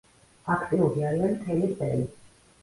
აქტიური არიან მთელი წელი.